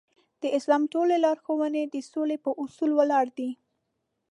د اسلام ټولې لارښوونې د سولې په اصول ولاړې دي.